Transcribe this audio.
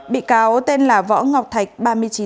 bị cáo tên là võ ngọc thạch ba mươi ba